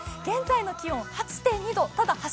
現在の気温、８．２度ただ